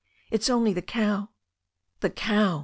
It's only the cow." "The cow!"